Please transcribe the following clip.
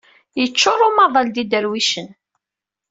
Yeččur umaḍal d iderwicen.